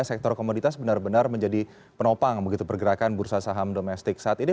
sektor komoditas benar benar menjadi penopang begitu pergerakan bursa saham domestik saat ini